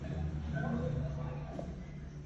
বললে, নীরু, তোমার ব্যথা কি আমি বুঝি নে।